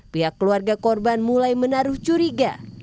pihak keluarga korban mulai menaruh curiga